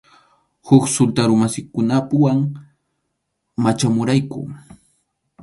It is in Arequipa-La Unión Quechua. Huk sultarumasikunapuwan machamurayku.